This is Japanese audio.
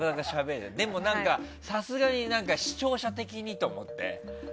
でも、何かさすがに視聴者的にと思って。